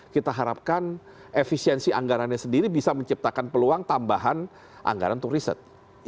kita harapkan efisiensi anggarannya sendiri bisa menciptakan peluang tambahan anggaran untuk riset